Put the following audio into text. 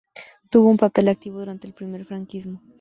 Tuvo un papel activo durante el primer franquismo.